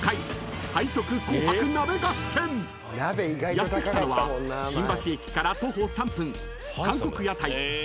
［やって来たのは新橋駅から徒歩３分］